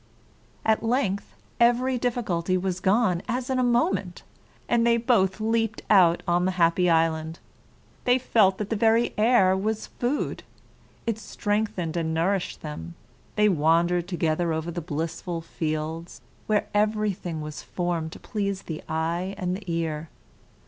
At length every difficulty was gone, as in a moment, and they both leaped out on the happy island. They felt that the very air was food. It strengthened and nourished them. They wandered together over the blissful fields, where every thing was formed to please the eye and the ear.